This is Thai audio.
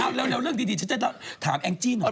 เอาเร็วเรื่องดีฉันจะถามแองจี้หน่อย